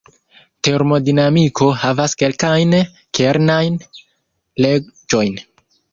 Termodinamiko havas kelkajn kernajn leĝojn.